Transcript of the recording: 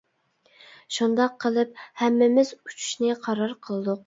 شۇنداق قىلىپ، ھەممىمىز ئۇچۇشنى قارار قىلدۇق.